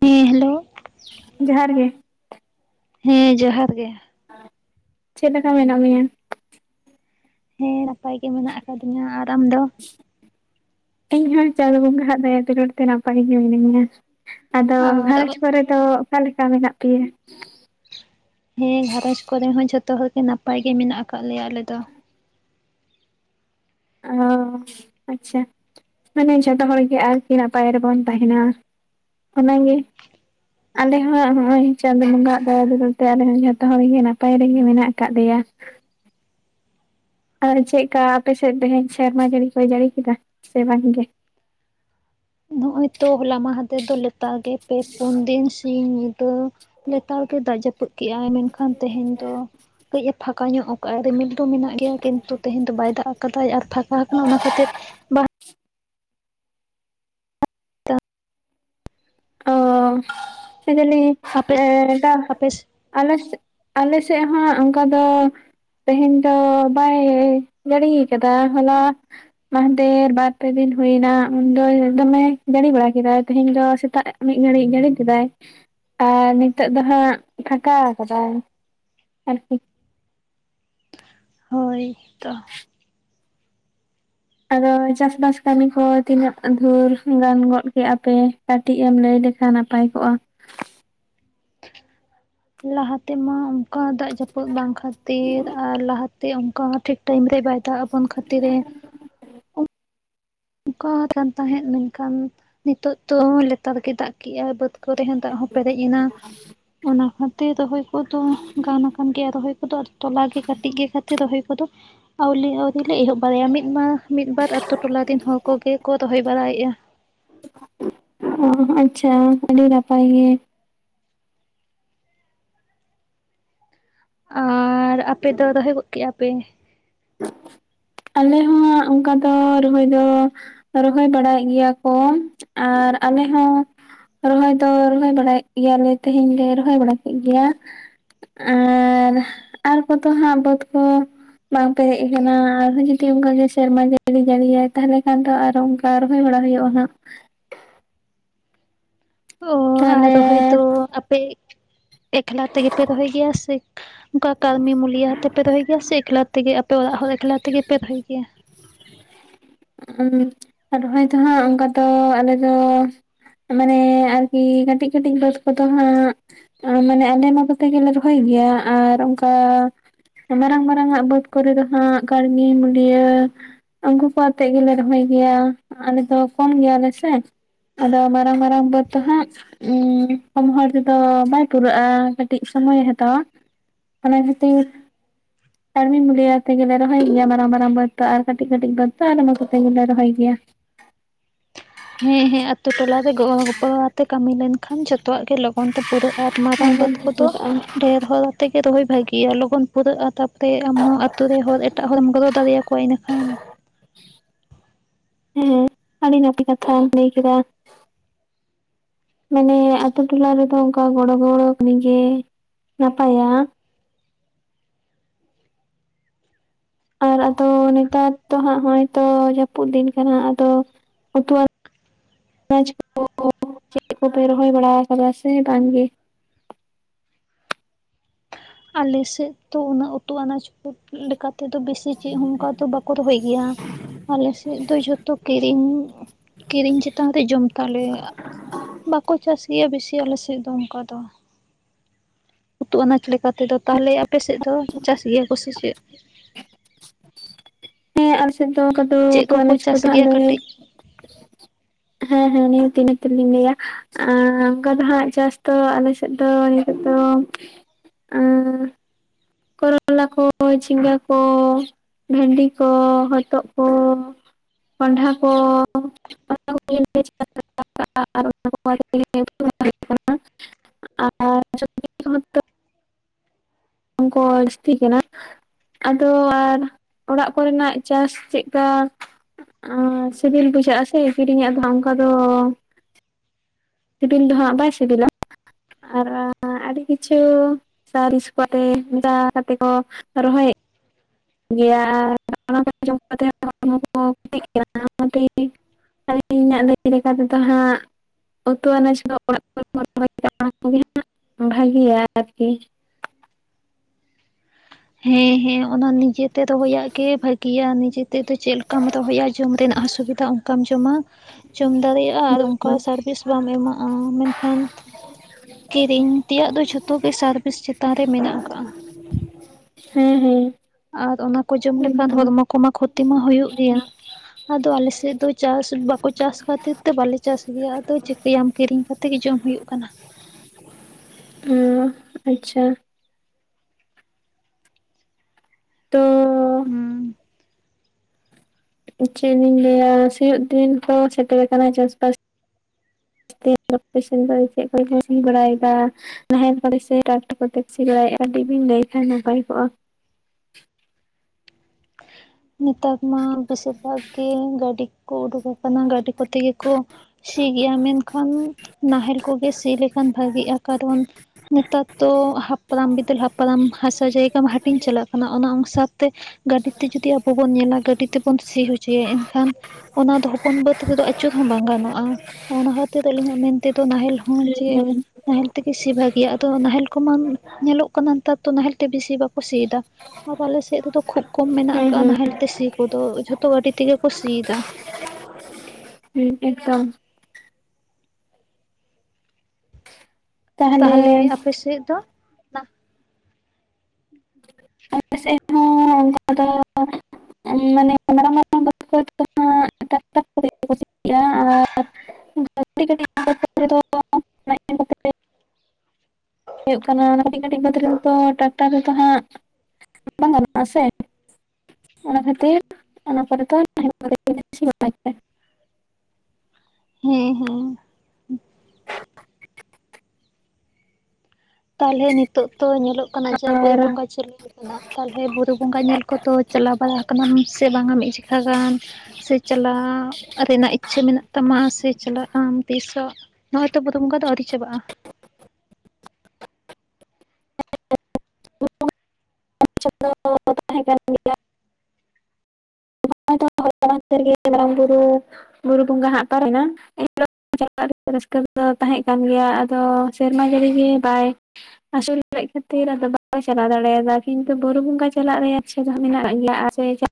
ᱦᱮᱸ ᱦᱮᱞᱳ ᱡᱚᱦᱟᱨ ᱜᱮ ᱦᱮᱸ ᱡᱚᱦᱟᱨ ᱜᱮ ᱪᱮᱫ ᱞᱮᱠᱟ ᱢᱮᱱᱟᱜ ᱢᱟ ᱦᱮᱸ ᱱᱟᱯᱟᱭ ᱜᱮ ᱢᱮᱱᱟᱜ ᱟᱠᱟᱫᱤᱧᱟ ᱟᱨ ᱟᱢ ᱫᱚ? ᱤᱧᱦᱚᱸ ᱪᱟᱸᱫᱳ ᱵᱚᱸᱜᱷᱟᱼᱟᱜ ᱫᱟᱭᱟ ᱫᱩᱞᱟᱹᱲ ᱛᱮ ᱱᱟᱯᱟᱭ ᱜᱮ ᱢᱤᱱᱟᱹᱧᱟ᱾ ᱟᱫᱚ ᱟᱨ ᱜᱷᱟᱨᱚᱸᱡᱽ ᱠᱚᱨᱮ ᱫᱚ ᱚᱠᱟᱞᱮᱠᱟ ᱢᱮᱱᱟᱜ ᱯᱮᱭᱟ᱾ ᱦᱮᱸ ᱜᱷᱟᱸᱨᱚᱪᱽ ᱠᱚᱨᱮ ᱦᱚᱸ ᱡᱷᱚᱛᱚ ᱦᱚᱲ ᱜᱮ ᱱᱟᱯᱟᱭ ᱜᱮ ᱢᱮᱱᱟᱜ ᱟᱠᱟᱜ ᱞᱮᱭᱟ ᱟᱞᱮ ᱫᱚ᱾ ᱚ ᱟᱪᱪᱷᱟ ᱢᱟᱱᱮ ᱡᱷᱚᱛᱚ ᱦᱚᱲ ᱜᱮ ᱟᱨᱠᱤ ᱱᱟᱯᱟᱭ ᱨᱮᱵᱚᱱ ᱛᱟᱦᱮᱱᱟ᱾ ᱚᱱᱟ ᱜᱮ ᱟᱞᱮ ᱦᱚᱸ ᱦᱚᱜᱼᱚᱭ ᱪᱟᱸᱫᱳ ᱵᱚᱸᱜᱟᱼᱟᱜ ᱫᱟᱭᱟ ᱫᱩᱞᱟᱹᱲ ᱛᱮ ᱟᱞᱮ ᱦᱚᱸ ᱡᱷᱚᱛᱚ ᱦᱚᱲᱜᱮ ᱱᱟᱯᱟᱭ ᱨᱮᱜᱮ ᱢᱮᱱᱟᱜ ᱠᱟᱜ ᱞᱮᱭᱟ᱾ ᱛᱟᱞᱦᱮ ᱪᱮᱜᱠᱟ ᱟᱯᱮᱥᱮᱫ ᱛᱮᱦᱮᱧ ᱥᱮᱨᱢᱟ ᱡᱟᱹᱲᱤ ᱠᱚᱭ ᱡᱟᱹᱲᱤ ᱠᱮᱫᱟ ᱥᱮ ᱵᱟᱝ ᱜᱮ? ᱱᱚᱜ ᱚᱭ ᱛᱚ ᱦᱚᱞᱟ ᱢᱟᱦᱫᱷᱮᱨ ᱛᱚ ᱞᱮᱛᱟᱲ ᱜᱮ ᱯᱮ ᱯᱩᱱ ᱫᱤᱱ ᱥᱤᱧ ᱧᱤᱫᱟᱹ ᱞᱮᱛᱟᱲ ᱜᱮ ᱫᱟᱜ ᱡᱟᱹᱯᱩᱫ ᱠᱮᱜᱼᱟᱭ ᱢᱮᱱᱠᱷᱟᱱ ᱛᱮᱦᱮᱧ ᱫᱚ ᱠᱟᱹᱡᱼᱮ ᱯᱷᱟᱸᱠᱟ ᱧᱚᱜ ᱠᱟᱜ ᱠᱟᱭ ᱨᱤᱢᱤᱞ ᱛᱚ ᱢᱮᱱᱟᱜ ᱜᱮᱭᱟ ᱠᱤᱱᱛᱩ ᱛᱮᱦᱮᱧ ᱫᱚ ᱵᱟᱭ ᱫᱟᱜ ᱠᱟᱫᱟᱭ ᱟᱨ ᱯᱷᱟᱸᱠᱟᱣ ᱠᱟᱱᱟ ᱚᱱᱟ ᱠᱷᱟᱹᱛᱤᱨ ᱚᱸ ᱞᱟᱹᱭ ᱫᱟᱹᱞᱤᱧ ᱟᱯᱮ ᱮᱸ ᱫᱟᱜ ᱟᱯᱮ ᱟᱞᱮ ᱥᱮᱫ ᱟᱞᱮ ᱥᱮᱜ ᱦᱚᱸ ᱚᱝᱠᱟ ᱫᱚ ᱛᱮᱦᱮᱧ ᱫᱚ ᱵᱟᱭ ᱡᱟᱹᱲᱤ ᱠᱟᱫᱟ ᱦᱚᱞᱟ ᱢᱟᱦᱫᱮᱨ ᱵᱟᱨᱯᱮ ᱫᱤᱱ ᱦᱩᱭᱱᱟ ᱩᱱᱫᱚᱭ ᱮᱠᱫᱚᱢᱮ ᱡᱟᱹᱲᱤ ᱵᱟᱲᱟ ᱠᱮᱫᱟᱭ ᱛᱮᱦᱮᱧ ᱫᱚ ᱥᱤᱛᱟᱜ ᱢᱤᱜ ᱜᱷᱟᱹᱲᱤᱡ ᱡᱟᱹᱲᱤ ᱠᱮᱫᱟᱭ ᱟᱨ ᱱᱤᱛᱚᱜ ᱫᱚ ᱦᱟᱸᱜ ᱯᱷᱟᱠᱟ ᱠᱟᱫᱟᱭ᱾ ᱟᱨᱠᱤ ᱦᱳᱭ ᱛᱚ ᱟᱫᱚ ᱪᱟᱥ ᱵᱟᱥ ᱠᱟᱹᱢᱤ ᱠᱚ ᱛᱤᱱᱟᱹᱜ ᱫᱷᱩᱨ ᱜᱟᱱ ᱜᱚᱫ ᱠᱮᱜ ᱟᱯᱮ᱾ ᱠᱟᱹᱴᱤᱡ ᱮᱢ ᱞᱟᱹᱭ ᱞᱮᱠᱷᱟᱱ ᱱᱟᱯᱟᱭ ᱠᱚᱜᱼᱟ᱾ ᱞᱟᱦᱟᱛᱮ ᱢᱟ ᱚᱝᱠᱟ ᱫᱟᱜ ᱡᱟᱹᱯᱩᱫ ᱵᱟᱝ ᱠᱷᱟᱹᱛᱤᱨ ᱟᱨ ᱞᱟᱦᱟ ᱛᱮ ᱚᱝᱠᱟ ᱴᱷᱤᱠ ᱴᱟᱹᱭᱤᱢ ᱨᱮ ᱵᱟᱭ ᱫᱟᱜ ᱟᱵᱚᱱ ᱠᱷᱟᱹᱛᱤᱨ ᱮ ᱚᱝᱠᱟ ᱠᱟᱱ ᱛᱟᱦᱮᱸᱫ ᱢᱮᱱᱠᱷᱟᱱ ᱱᱤᱛᱚᱜ ᱫᱚ ᱞᱮᱛᱟᱲ ᱜᱮ ᱫᱟᱜ ᱠᱮᱜᱼᱟᱭ ᱵᱟᱹᱫᱽ ᱠᱚᱨᱮ ᱦᱚᱸ ᱫᱟᱜ ᱦᱚᱸ ᱯᱮᱨᱮᱡ ᱮᱱᱟ ᱚᱱᱟ ᱠᱷᱟᱹᱛᱤᱨ ᱨᱚᱦᱚᱭ ᱠᱚᱫᱚ ᱜᱟᱱ ᱟᱠᱟᱱ ᱜᱮᱭᱟ ᱨᱚᱦᱚᱭ ᱠᱚᱫᱚ ᱟᱫᱚ ᱛᱚᱞᱟ ᱜᱮ ᱠᱟᱹᱴᱤᱡ ᱜᱮ ᱠᱟᱹᱴᱤᱡ ᱛᱤᱨ ᱨᱚᱦᱚᱭ ᱠᱚᱫᱚ ᱟᱹᱣᱞᱤ ᱟᱹᱣᱨᱤ ᱞᱮ ᱮᱦᱚᱵ ᱵᱟᱨᱟᱭᱟ ᱢᱤᱫ ᱵᱟᱨ ᱢᱤᱫ ᱵᱟᱨ ᱟᱛᱳ ᱴᱚᱞᱟ ᱨᱮᱱ ᱦᱚᱲ ᱠᱚᱜᱮ ᱠᱚ ᱨᱚᱦᱚᱭ ᱵᱟᱲᱟᱭᱮᱜᱼᱟ᱾ ᱚ ᱟᱪᱪᱷᱟ ᱟᱹᱰᱤ ᱱᱟᱯᱟᱭ ᱜᱮ᱾ ᱟᱨ ᱟᱯᱮ ᱫᱚ ᱨᱚᱦᱚᱭ ᱜᱚᱫ ᱠᱮᱜᱼᱟ ᱯᱮ? ᱟᱞᱮ ᱦᱚᱸ ᱦᱟᱸᱜ ᱚᱝᱠᱟ ᱫᱚ ᱨᱚᱦᱚᱭ ᱫᱚ ᱨᱚᱦᱚᱭ ᱵᱟᱲᱟᱭᱮᱜ ᱜᱮᱭᱟ ᱠᱚ ᱟᱨ ᱟᱞᱮ ᱦᱚᱸ ᱨᱚᱦᱚᱭ ᱫᱚ ᱨᱚᱦᱚᱭ ᱵᱟᱲᱟᱭᱮᱜ ᱜᱮᱭᱟᱞᱮ ᱛᱮᱦᱮᱧ ᱞᱮ ᱨᱚᱦᱚᱭ ᱵᱟᱲᱟ ᱠᱮᱜ ᱜᱮᱭᱟ᱾ ᱟᱨ ᱟᱨ ᱠᱚᱫᱚ ᱦᱟᱸᱜ ᱵᱟᱹᱫᱽ ᱠᱚ᱾ ᱵᱟᱝ ᱯᱮ ᱦᱮᱡ ᱠᱟᱱᱟ ᱟᱨᱦᱚᱸ ᱡᱩᱫᱤ ᱚᱝᱠᱟ ᱜᱮ ᱥᱮᱨᱢᱟ ᱡᱟᱹᱲᱤ ᱡᱟᱹᱲᱤᱭᱟᱭ ᱛᱟᱦᱚᱞᱮ ᱠᱷᱟᱱ ᱫᱚ ᱟᱨᱚ ᱠᱟ ᱨᱚᱦᱚᱭ ᱵᱟᱲᱟ ᱦᱳᱭᱳᱜᱼᱟ ᱱᱟᱸᱜ ᱚᱸ ᱟᱨ ᱦᱚᱭ ᱛᱟᱦᱚᱞᱮ ᱛᱚ ᱟᱯᱮ ᱮᱠᱞᱟ ᱛᱮᱜᱮ ᱯᱮ ᱨᱚᱦᱚᱭ ᱜᱮᱭᱟ ᱥᱮ ᱚᱱᱠᱟ ᱠᱟᱹᱲᱢᱤ ᱢᱩᱞᱤᱭᱟᱛᱮᱯᱮ ᱨᱚᱦᱚᱭ ᱜᱮᱭᱟ ᱥᱮ ᱮᱠᱞᱟ ᱛᱮᱜᱮ ᱟᱯᱮ ᱚᱲᱟᱜ ᱦᱚᱲ ᱮᱠᱞᱟ ᱛᱮᱜᱮ ᱯᱮ ᱨᱚᱦᱚᱭ ᱜᱮᱭᱟ᱾ ᱩᱸᱻ ᱟᱨ ᱨᱚᱦᱚᱭ ᱫᱚ ᱦᱟᱸᱜ ᱚᱱᱠᱟ ᱫᱚ ᱟᱞᱮ ᱫᱚ ᱢᱟᱱᱮ ᱟᱨᱠᱤ ᱠᱟᱹᱴᱤᱡ ᱠᱟᱹᱴᱤᱡ ᱵᱟᱹᱫᱽ ᱠᱚᱫᱚ ᱦᱟᱸᱜ ᱢᱟᱱᱮ ᱟᱞᱮ ᱢᱟ ᱠᱚᱛᱮ ᱜᱮᱞᱮ ᱨᱚᱦᱚᱭ ᱜᱮᱭᱟ ᱟᱨ ᱚᱱᱠᱟ ᱢᱟᱨᱟᱝ ᱢᱟᱨᱟᱝ ᱟᱜ ᱵᱟᱹᱫ ᱠᱚᱨᱮ ᱫᱚ ᱦᱟᱸᱜ ᱠᱟᱹᱲᱢᱤ ᱢᱩᱞᱤᱭᱟᱹ ᱩᱱᱠᱩ ᱠᱚ ᱟᱛᱮ ᱛᱮᱫ ᱜᱮᱞᱮ ᱨᱚᱦᱚᱭ ᱜᱮᱭᱟ ᱟᱞᱮ ᱫᱚ ᱠᱚᱢ ᱜᱮᱭᱟᱞᱮ ᱥᱮ ᱟᱫᱚ ᱢᱟᱨᱟᱝ ᱢᱟᱨᱟᱝ ᱵᱟᱹᱫᱷ ᱫᱚ ᱦᱟᱸᱜ ᱩᱹ ᱠᱚᱢ ᱦᱚᱲ ᱛᱮᱫᱚ ᱵᱟᱭ ᱯᱩᱨᱟᱹᱜᱼᱟ ᱠᱟᱹᱴᱤᱡ ᱥᱚᱢᱚᱭᱮ ᱦᱟᱛᱟᱣᱟ᱾ ᱚᱱᱟ ᱠᱦᱟᱹᱛᱤᱨ ᱠᱟᱲᱢᱤ ᱢᱩᱞᱤᱭᱟ ᱛᱮᱜᱮᱞᱮ ᱨᱚᱦᱚᱭᱮᱫ ᱜᱮᱭᱟ ᱢᱟᱨᱟᱝ ᱢᱟᱨᱟᱨᱟᱝ ᱵᱟᱹᱫᱽ ᱫᱚ ᱟᱨ ᱠᱟᱹᱴᱤᱡ ᱠᱟᱹᱴᱤᱡ ᱵᱟᱹᱫᱽ ᱛᱚ ᱟᱞᱮ ᱠᱚᱛᱮ ᱜᱩᱞᱮ ᱨᱚᱦᱚᱭ ᱜᱮᱭᱟ᱾ ᱦᱮᱸ ᱦᱮᱸ ᱟᱛᱳ ᱴᱚᱞᱟ ᱨᱮ ᱜᱚᱲᱚ ᱜᱚᱯᱚ ᱛᱮ ᱠᱟᱹᱢᱤ ᱞᱮᱱ ᱠᱷᱟᱱ ᱡᱚᱛᱚᱣᱟᱜ ᱜᱮ ᱞᱚᱜᱚᱱ ᱛᱮ ᱯᱩᱨᱟᱹᱜᱼᱟ ᱟᱨ ᱦᱮᱸ ᱢᱟᱨᱟᱢ ᱵᱟᱢ ᱵᱟᱹᱫᱽ ᱴᱷᱤᱠᱟᱹ ᱠᱚᱫᱚ ᱠᱟᱜᱼᱟ ᱰᱷᱮᱨ ᱦᱚᱲ ᱛᱮᱜᱮ ᱨᱚᱦᱚᱭ ᱵᱷᱟᱜᱮᱤᱭᱟ ᱞᱚᱜᱚᱱ ᱯᱩᱨᱟᱹᱜᱼᱟ ᱛᱟᱯᱚᱨᱮ ᱟᱢᱦᱚᱸ ᱟᱛᱳ ᱨᱮ ᱦᱚᱲ ᱮᱴᱟᱜ ᱦᱚᱲᱮᱢ ᱜᱚᱲᱚ ᱫᱟᱲᱮᱭᱟ ᱠᱚᱣᱟ ᱮᱲᱮ ᱠᱷᱟᱱ ᱦᱮᱸ ᱟᱹᱰᱤ ᱱᱟᱯᱟᱭ ᱠᱟᱛᱷᱟ ᱞᱟᱹᱭ ᱠᱮᱫᱟ᱾ ᱢᱟᱱᱮ ᱟᱛᱳ ᱴᱚᱞᱟ ᱨᱮᱫᱚ ᱚᱱᱠᱟ ᱜᱚᱲᱚ ᱜᱚᱲᱚ ᱠᱟᱢᱤ ᱜᱮ‌ ᱱᱟᱯᱟᱭᱟ᱾ ᱟᱨ ᱟᱫᱚ ᱱᱮᱛᱟᱨ ᱫᱚ ᱦᱟᱸᱜ ᱱᱚᱜᱼᱚᱭ ᱛᱚ ᱡᱟᱹᱯᱩᱫ ᱫᱤᱱ ᱠᱟᱱᱟ ᱟᱫᱚ ᱚᱯ [unintelligible] ᱯᱮᱭᱟᱡᱽ ᱠᱚ ᱪᱮᱫ ᱠᱚᱯᱮ ᱨᱚᱦᱚᱭ ᱵᱟᱲᱟ ᱟᱠᱟᱫᱟ ᱥᱮ ᱵᱟᱝ ᱜᱮ? ᱟᱞᱮᱥᱮᱫ ᱫᱚ ᱚᱱᱟᱜ ᱩᱛᱩ ᱟᱱᱟᱡ ᱠᱚ ᱛᱮᱫᱚ ᱵᱮᱥᱤ ᱪᱮᱫ ᱦᱚᱸ ᱚᱱᱠᱟ ᱫᱚ ᱵᱟ ᱨᱚᱦᱚᱭ ᱜᱮᱭᱟ ᱟᱞᱮᱥᱮᱫ ᱫᱚ ᱡᱷᱚᱛᱚ ᱠᱤᱨᱤᱧ᱾ ᱠᱤᱨᱤᱧ ᱪᱮᱛᱟᱱ ᱨᱮ ᱡᱚᱢᱛᱟᱞᱮ ᱵᱟᱠᱚ ᱪᱟᱥ ᱜᱮᱭᱟ ᱵᱮᱥᱤ ᱟᱞᱮᱥᱮᱫ ᱫᱚ ᱚᱱᱠᱟ ᱫᱚ ᱩᱛᱩ ᱟᱱᱟᱡ ᱞᱮᱠᱟᱛᱮ ᱫᱚ ᱛᱟᱦᱚᱞᱮ ᱟᱯᱮᱥᱮᱫ ᱫᱚ ᱪᱟᱥ ᱜᱮᱭᱟ ᱠᱚ ᱥᱮ ᱪᱮᱫ ᱦᱮᱸ ᱟᱞᱮ ᱥᱮᱫ ᱫᱚ ᱚᱠᱟ ᱫᱚ ᱪᱮᱫ ᱩᱛᱩ ᱠᱚᱠᱚ ᱟᱱᱟᱮᱡ ᱪᱟᱥ ᱠᱚᱫᱚ ᱜᱮᱭᱟ ᱦᱚᱞᱮ ᱠᱟᱹᱴᱤᱡ ᱦᱮᱸ ᱦᱮᱸ ᱱᱤᱭᱟᱹ ᱛᱮ ᱱᱟᱹᱜ ᱞᱤᱧ ᱞᱟᱹᱭᱟ ᱚᱱᱠᱟ ᱫᱚ ᱦᱟᱸᱜ ᱪᱟᱥ ᱫᱚ ᱟᱞᱮ ᱱᱤᱛᱚᱜ ᱫᱚ ᱱᱤᱛᱚᱜ ᱫᱚ ᱟᱻ ᱠᱚᱨᱚᱞᱟ ᱠᱚ ᱡᱷᱤᱜᱟᱸ ᱠᱚ ᱵᱷᱮᱱᱰᱤ, ᱠᱚ ᱦᱚᱛᱚᱫ, ᱠᱚ ᱠᱚᱱᱰᱷᱟ, ᱠᱚ ᱚᱱᱟ [unintelligible] ᱟᱨ ᱦᱚᱸᱛᱚ ᱠᱚ ᱡᱟᱹᱥᱛᱤ ᱠᱟᱱᱟ᱾ ᱟᱫᱚ ᱟᱨ ᱚᱲᱟᱜ ᱠᱚ ᱨᱮᱱᱟᱜ ᱪᱟᱥ ᱪᱮᱫ ᱠᱟ ᱾ ᱟᱨ ᱥᱤᱵᱤᱞ ᱵᱩᱡᱷᱟᱹᱜᱼᱟ ᱥᱮ ᱠᱤᱨᱤᱧᱟᱜ ᱫᱚ ᱦᱟᱸᱜ ᱚᱱᱠᱟ ᱫᱚ ᱥᱤᱵᱤᱞ ᱫᱚ ᱦᱟᱸᱜ ᱵᱟᱝ ᱥᱤᱵᱤᱞᱟ ᱟᱨ ᱟᱨ ᱟᱹᱰᱤ ᱠᱤᱪᱷᱩ ᱛᱟᱨᱤᱥ ᱠᱚᱛᱮ ᱡᱟ ᱚᱱᱠᱟ ᱠᱟᱛᱮ ᱠᱚ ᱨᱚᱦᱚᱭᱮᱫ ᱜᱮᱭᱟ ᱾ ᱜᱮᱭᱟ ᱡᱚᱢ ᱠᱟᱛᱮ ᱦᱚᱸᱠᱚ ᱠᱟᱹᱴ ᱜᱮᱭᱟ ᱚᱱᱟᱛᱮ [unintelligible] ᱟᱹᱞᱤᱧ ᱟᱜ ᱞᱟᱹᱭ ᱞᱮᱠᱟ ᱛᱮᱫᱚ ᱦᱟᱸᱜ ᱩᱛᱩ ᱟᱱᱟᱡ ᱠᱚ ᱚᱲᱟᱜ ᱨᱮ ᱠᱚᱜᱮ ᱦᱟᱸᱜ ᱵᱷᱟᱜᱮᱭᱟ ᱟᱨᱠᱤ ᱦᱮᱸ ᱦᱮᱸ ᱚᱱᱟ ᱱᱤᱡᱮ ᱛᱮ ᱫᱚ ᱨᱚᱦᱚᱭ ᱜᱮ ᱵᱷᱟᱜᱤᱭᱟ ᱱᱤᱡᱮ ᱛᱮᱫᱚ ᱪᱮᱫ ᱞᱮᱠᱟᱢ ᱨᱚᱦᱚᱭᱟ ᱡᱚᱢ ᱨᱮᱱᱟᱜ ᱚᱥᱩᱵᱤᱫᱟ ᱾ ᱚᱱᱠᱟᱢ ᱡᱚᱢᱟ ᱡᱚᱢ ᱫᱟᱲᱮᱭᱟᱜᱼᱟ ᱟᱨ ᱚᱱᱠᱟ ᱥᱟᱨᱵᱷᱤᱥ ᱵᱟᱢ ᱮᱢᱟᱜᱼᱟ ᱢᱮᱱᱠᱷᱟᱱ ᱠᱤᱨᱤᱧ ᱛᱮᱭᱟᱜ ᱫᱚ ᱡᱷᱚᱛᱚ ᱜᱮ ᱥᱟᱨᱵᱷᱤᱥ ᱪᱮᱛᱟᱱ ᱨᱮ ᱢᱮᱱᱟᱜ ᱟᱠᱟᱜᱼᱟ᱾ ᱦᱮᱸ ᱦᱮᱸ ᱟᱨ ᱚᱱᱟ ᱠᱚ ᱡᱚᱢ ᱞᱮᱠᱷᱟᱱ ᱮᱠᱫᱚᱢ ᱦᱚᱲᱢᱚ ᱠᱚᱢᱟ ᱠᱷᱚᱛᱤ ᱢᱟ ᱦᱩᱭᱩᱜ‌ ᱜᱮᱭᱟ᱾ ᱟᱫᱚ ᱟᱞᱮᱥᱮᱫ ᱫᱚ ᱪᱟᱥ ᱵᱟᱠᱚ ᱪᱟᱥ ᱠᱷᱟᱹᱛᱤᱨ ᱛᱮ ᱵᱟᱞᱮ ᱪᱟᱥ ᱜᱮᱭᱟ ᱟᱫᱚ ᱪᱮᱫ ᱪᱤᱠᱟᱹᱭᱟᱢ ᱠᱤᱨᱤᱧ ᱠᱟᱛᱮ ᱜᱮ ᱡᱚᱢ ᱦᱩᱭᱩᱜ ᱠᱟᱱᱟ᱾ ᱟᱪᱪᱷᱟ ᱛᱚᱻ ᱦᱩᱸ ᱪᱮᱫ ᱞᱤᱧ ᱞᱟᱹᱭᱟ ᱥᱤᱭᱳᱜ ᱫᱤᱱ ᱠᱚ ᱥᱮᱴᱮᱨ ᱟᱠᱟᱱᱟ ᱪᱟᱥ ᱵᱟᱥ ᱥᱮ ᱪᱮᱫ ᱠᱚᱯᱮ ᱤᱥᱤᱱ ᱵᱟᱲᱟᱭᱮᱫᱟ᱾ ᱱᱟᱦᱮᱞ ᱠᱚᱛᱮ ᱥᱮ ᱴᱮᱠᱴᱟᱨ ᱠᱚ ᱛᱮ ᱥᱤ ᱵᱟᱲᱟᱭ ᱫᱟ ᱠᱟᱴᱤᱡ ᱵᱤᱱ ᱞᱟᱹᱭ ᱠᱷᱟᱱ ᱱᱟᱯᱟᱭ ᱠᱚᱜᱼᱟ᱾ [inaudible] ᱱᱮᱛᱟᱨ ᱢᱟ ᱵᱮᱥᱤᱨ ᱵᱷᱟᱜᱽ ᱜᱮ ᱜᱟᱹᱰᱤ ᱠᱚ ᱩᱰᱩᱠ ᱟᱠᱟᱱᱟ ᱜᱟᱹᱰᱤ ᱠᱚᱛᱮ ᱜᱮ ᱠᱚ ᱥᱤ ᱜᱮᱭᱟ ᱢᱮᱱ ᱠᱷᱟᱱ ᱱᱟᱦᱮᱞ ᱠᱚ ᱜᱮ ᱥᱤ ᱞᱮ ᱠᱷᱟᱱ ᱵᱷᱟᱜᱤᱜᱼᱟ᱾ ᱠᱟᱨᱟᱱ ᱱᱮᱛᱟᱨ ᱛᱚ ᱦᱟᱯᱲᱟᱢ ᱵᱤᱫᱟᱹᱞ ᱦᱟᱯᱲᱟᱢ ᱦᱟᱥᱟ ᱡᱟᱭ ᱜᱟ ᱢᱟ ᱦᱟᱹᱴᱤᱧ ᱪᱟᱞᱟᱜ ᱠᱟᱱᱟ ᱚᱱᱟ ᱚᱱᱩ ᱥᱟᱨᱛᱮ ᱜᱟᱹᱰᱤ ᱛᱮ ᱡᱩᱫᱤ ᱟᱵᱚ ᱵᱚᱱ ᱧᱮᱞᱟ ᱜᱟᱹᱰᱤ ᱛᱮᱵᱚᱱ ᱥᱤ ᱦᱚᱪᱚ ᱭᱟ ᱮᱱ ᱠᱷᱟᱱ ᱚᱱᱟ ᱫᱚ ᱦᱚᱯᱚᱱ ᱵᱟᱹᱫᱽ ᱨᱮ ᱫᱚ ᱟᱹᱪᱩᱨ ᱦᱚᱸ ᱵᱟᱝ ᱜᱟᱱᱚᱜᱼᱟ᱾ ᱚᱱᱟ ᱠᱷᱟᱹᱛᱤᱨ ᱛᱮ ᱟᱹᱞᱤᱧ ᱟᱜ ᱢᱮᱱ ᱛᱮ ᱫᱚ ᱱᱟᱦᱮᱞ ᱦᱚᱸ ᱦᱮᱸ ᱡᱮ ᱦᱮᱸ ᱱᱟᱦᱮᱞ ᱛᱮ ᱜᱮ ᱥᱤ ᱵᱷᱟᱜᱮ ᱭᱟ ᱟᱫᱚ ᱱᱟᱦᱮᱞ ᱠᱚ ᱢᱟ ᱧᱮᱞᱚᱜ ᱠᱟᱱᱟ ᱱᱮᱛᱟᱨ ᱫᱚ ᱱᱟᱦᱮᱞ ᱛᱮ ᱵᱤ ᱥᱤ ᱵᱟᱠᱚ ᱥᱤ ᱭᱮᱫᱟ ᱟᱞᱮ ᱥᱮᱫ ᱨᱮ ᱫᱚ ᱠᱷᱩᱵ ᱠᱚᱢ ᱢᱮᱱᱟᱜ ᱦᱮᱸ ᱟᱠᱟᱫᱟᱼᱟ ᱱᱟᱦᱮᱞ ᱛᱮ ᱥᱤ ᱠᱚ ᱫᱚ ᱡᱷᱚᱛᱚ ᱜᱟᱹᱰᱤ ᱛᱮ ᱜᱮ ᱠᱚ ᱥᱤ ᱭᱮᱫᱟ᱾ ᱦᱮᱸ ᱮᱠᱫᱚᱢ ᱛᱟᱦᱚᱞᱮ ᱛᱟᱦᱞᱮ ᱟᱯᱮ ᱥᱮᱫ ᱫᱚ? ᱟᱞᱮ ᱥᱮᱫ ᱦᱚᱸ ᱚᱱᱠᱟ ᱢᱟᱱᱮ ᱢᱟᱨᱟᱝ ᱢᱟᱨᱟᱝ ᱵᱟᱹᱛ ᱠᱚ ᱨᱮ ᱢᱟ ᱴᱟᱠᱴᱟᱨ ᱛᱮ ᱠᱚ ᱥᱤᱭᱟ᱾ ᱟᱨ ᱠᱟᱴᱤᱡ ᱠᱟᱴᱤᱡ ᱵᱟᱹᱛ ᱨᱮ ᱫᱚ [unintelligible] ᱦᱳᱭᱳᱜ ᱠᱟᱱᱟ ᱠᱟᱹᱴᱤᱡ ᱠᱟᱹᱴᱤᱡ ᱵᱟᱹᱫᱽ ᱨᱮ ᱦᱚᱸ ᱴᱮᱨᱟᱠᱴᱟᱨ ᱨᱮ ᱫᱚ ᱦᱟᱸᱜ ᱵᱟᱝ ᱜᱟᱱᱚᱜ ᱟᱥᱮ ᱚᱱᱟ ᱠᱷᱟᱹᱛᱤᱨ ᱚᱱᱟ ᱠᱚ ᱨᱮ ᱫᱚ ᱱᱟᱦᱮᱞ ᱠᱚ ᱛᱮ ᱥᱤ ᱵᱟᱲᱟᱭ ᱛᱟᱦᱮᱫ᱾ ᱦᱮᱸ ᱦᱮᱸ ᱛᱟᱦᱞᱮ ᱱᱤᱛᱚᱜ ᱫᱚ ᱧᱮᱞᱚᱜ ᱠᱟᱱᱟ ᱡᱟ ᱵᱩᱨᱩ ᱟᱨ ᱵᱚᱸᱜᱟ ᱪᱟᱞᱩ ᱠᱟᱱᱟ ᱛᱟᱦᱞᱮ ᱵᱩᱨᱩ ᱵᱚᱸᱜᱟ ᱧᱮᱞ ᱠᱚ ᱫᱚ ᱪᱟᱞᱟᱣ ᱵᱟᱲᱟ ᱠᱟᱱᱟᱢ ᱥᱮ ᱵᱟᱝᱼᱟ ᱢᱤᱫ ᱡᱟᱠᱷᱟ ᱜᱟᱱ᱾ ᱥᱮ ᱪᱟᱞᱟᱜ ᱨᱮᱱᱟᱜ ᱤᱪᱪᱷᱟᱹ ᱢᱮᱱᱟᱜ ᱛᱟᱢᱟ ᱥᱮ ᱪᱟᱞᱟᱜ ᱟᱢ ᱛᱤᱥ ᱚᱜ᱾ ᱱᱚᱜᱚᱭ ᱛᱚ ᱵᱩᱨᱩ ᱵᱚᱸᱜᱟ ᱫᱚ ᱟᱹᱣᱨᱤ ᱪᱟᱵᱼᱟ᱾ [unintelligible] ᱚᱱᱛᱮ ᱨᱮ ᱜᱮ ᱢᱟᱨᱟᱝ ᱵᱩᱨᱩ ᱵᱩᱨᱩ ᱵᱚᱸᱜᱟ ᱦᱟᱜ ᱯᱟᱨᱚᱢ ᱟᱢ ᱪᱟᱞᱟᱜ ᱨᱮ ᱨᱟᱹᱥᱠᱟᱹᱫᱚ ᱛᱟᱦᱮᱸᱜ ᱠᱟᱱ ᱜᱮ ᱭᱟ ᱟᱫᱚ ᱥᱮᱨᱢᱟ ᱡᱟᱹᱲᱤ ᱜᱮ ᱵᱟᱭ ᱟᱥᱳᱲ ᱞᱮᱫ ᱠᱷᱟᱹᱛᱤᱨ ᱟᱫᱚ ᱵᱟᱠᱚ ᱪᱟᱞᱟᱣ ᱫᱟᱲᱮ ᱭᱟᱫᱟ᱾ ᱠᱤᱱᱛᱩ ᱵᱩᱨᱩ ᱵᱚᱸᱜᱟ ᱪᱟᱞᱟᱜ ᱨᱮᱭᱟᱜ ᱤᱪᱪᱷᱟ ᱦᱚᱸ ᱢᱮᱱᱟᱜ ᱜᱮᱭᱟ ᱟᱨ [unintelligible]